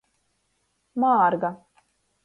Mārga.